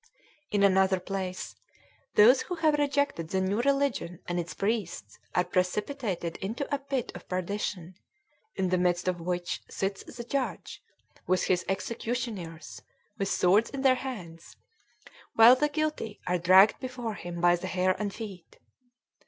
In another place, those who have rejected the new religion and its priests are precipitated into a pit of perdition, in the midst of which sits the judge, with his executioners, with swords in their hands, while the guilty are dragged before him by the hair and feet.